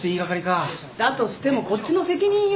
だとしてもこっちの責任よ。